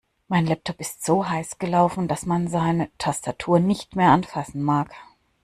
Mein Laptop ist so heiß gelaufen, dass man seine Tastatur nicht mehr anfassen mag.